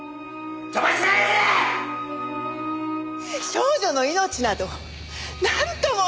少女の命などなんとも！